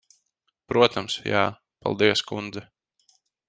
Protams, jā. Paldies, kundze.